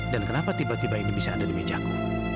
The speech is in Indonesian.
dan kenapa tiba tiba ini bisa ada di meja ku